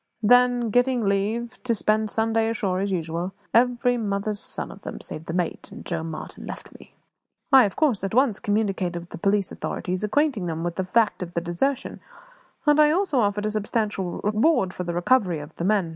Then, getting leave to spend Sunday ashore, as usual, every mother's son of them save the mate and Joe Martin left me. I, of course, at once communicated with the police authorities, acquainting them with the fact of the desertion; and I also offered a substantial reward for the recovery of the men.